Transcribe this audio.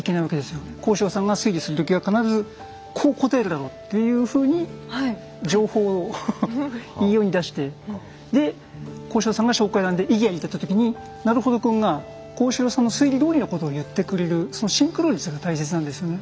「幸四郎さんが推理する時は必ずこう答えるだろう」っていうふうに情報をいいように出してで幸四郎さんが証拠を選んで「異議あり！」ってやった時にナルホドくんが幸四郎さんの推理どおりのことを言ってくれるそのシンクロ率が大切なんですよね。